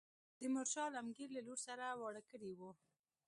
تیمور شاه عالمګیر له لور سره واړه کړی وو.